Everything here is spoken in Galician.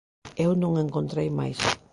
Eu non encontrei máis.